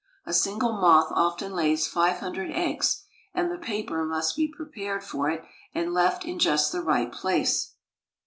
A single moth often lays five hundred eggs, and the paper must be prepared for it and left in just the right place.